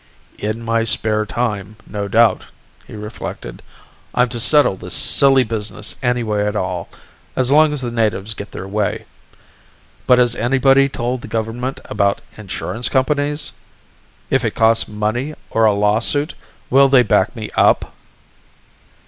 In my spare time, no doubt, he reflected. _I'm to settle this silly business any way at all as long as the natives get their way. But has anybody told the government about insurance companies? If it costs money or a lawsuit, will they back me up?